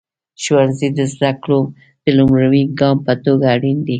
ښوونځی د زده کړو د لومړني ګام په توګه اړین دی.